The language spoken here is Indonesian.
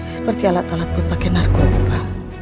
seperti alat alat buat pake narkoba